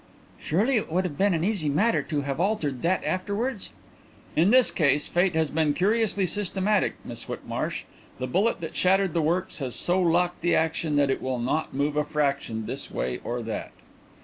"Surely it would have been an easy matter to have altered that afterwards?" "In this case fate has been curiously systematic, Miss Whitmarsh. The bullet that shattered the works has so locked the action that it will not move a fraction this way or that."